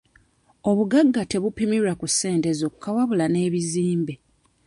Obugagga tebupimirwa ku ssente zokka wabula n'ebizimbe.